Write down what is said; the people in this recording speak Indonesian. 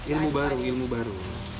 ilmu baru ilmu baru